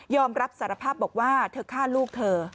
รับสารภาพบอกว่าเธอฆ่าลูกเธอ